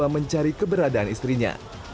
mencari keberadaan istrinya